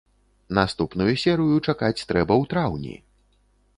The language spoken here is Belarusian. Наступную серыю чакаць трэба ў траўні!